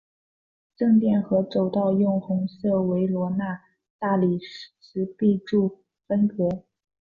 正殿和走道用红色维罗纳大理石壁柱分隔。